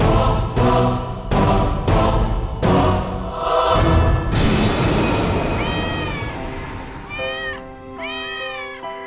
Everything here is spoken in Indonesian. wah ternyata bagian matanya ini bulung